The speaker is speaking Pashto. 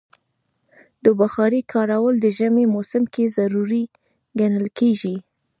د بخارۍ کارول د ژمي موسم کې ضروری ګڼل کېږي.